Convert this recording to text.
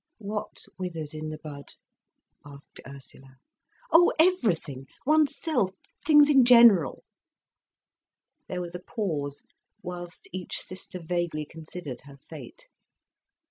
"What withers in the bud?" asked Ursula. "Oh, everything—oneself—things in general." There was a pause, whilst each sister vaguely considered her fate.